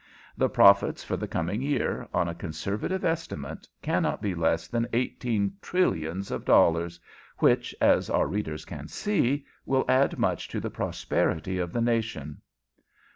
The profits for the coming year, on a conservative estimate, cannot be less than eighteen trillions of dollars which, as our readers can see, will add much to the prosperity of the nation."